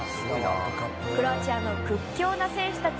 クロアチアの屈強な選手たち。